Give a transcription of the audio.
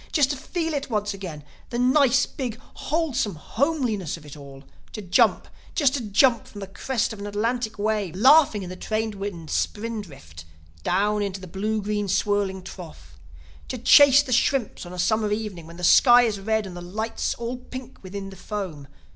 Just to feel it once again, the nice, big, wholesome homeliness of it all! To jump, just to jump from the crest of an Atlantic wave, laughing in the trade wind's spindrift, down into the blue green swirling trough! To chase the shrimps on a summer evening, when the sky is red and the light's all pink within the foam!